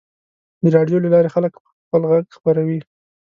د راډیو له لارې خلک خپل غږ خپروي.